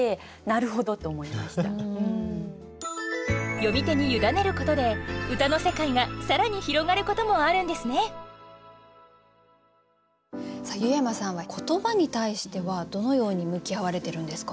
読み手に委ねることで歌の世界が更に広がることもあるんですね湯山さんは言葉に対してはどのように向き合われてるんですか？